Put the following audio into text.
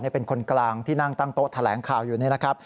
เป็นคนกลางที่นั่งตั้งโต๊ะแสดงข่าวอยู่ในนี้